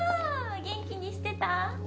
元気にしてた？